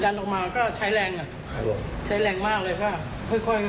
ดันออกมาก็ใช้แรงอ่ะใช้แรงมากเลยฮะ